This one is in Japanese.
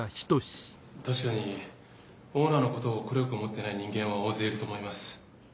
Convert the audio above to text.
確かにオーナーのことを快く思っていない人間は大勢いると思います。